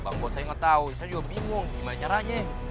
bapak mau saya tau saya juga bingung gimana caranya